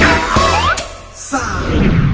เฮ่ย